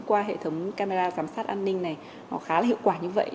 qua hệ thống camera giám sát an ninh này nó khá là hiệu quả như vậy